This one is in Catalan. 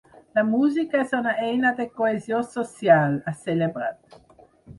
“La música és una eina de cohesió social”, ha celebrat.